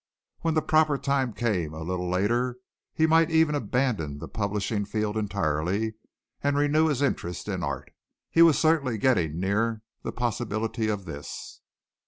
When the proper time came, a little later, he might even abandon the publishing field entirely and renew his interest in art. He was certainly getting near the possibility of this.